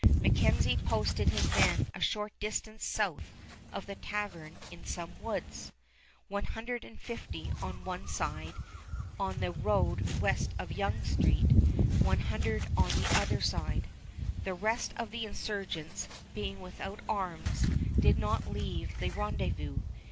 MacKenzie posted his men a short distance south of the tavern in some woods; one hundred and fifty on one side of the road west of Yonge Street, one hundred on the other side. The rest of the insurgents, being without arms, did not leave the rendezvous.